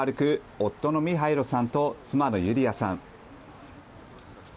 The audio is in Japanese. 夫のミハイロさんと妻のユリアさん。